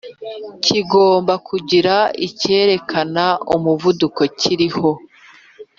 kigomba kugira icyerekana umuvuduko kiriho